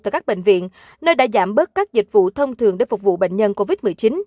tại các bệnh viện nơi đã giảm bớt các dịch vụ thông thường để phục vụ bệnh nhân covid một mươi chín